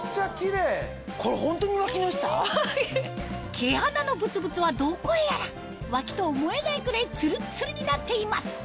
毛穴のブツブツはどこへやらワキと思えないくらいツルッツルになっています